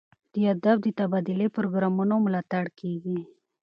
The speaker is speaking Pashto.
د ادب د تبادلې پروګرامونو ملاتړ کیږي.